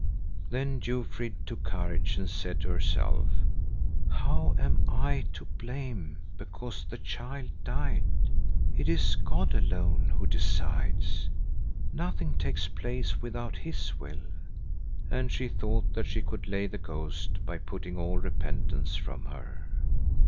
Then Jofrid took courage and said to herself: "How am I to blame because the child died? It is God alone who decides. Nothing takes place without his will." And she thought that she could lay the ghost by putting all repentance from her.